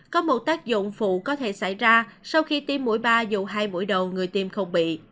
có một tác dụng phụ có thể xảy ra sau khi tiêm mũi ba dù hai buổi đầu người tiêm không bị